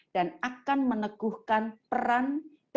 dan akan meneguhkan peran dan kekuatan indonesia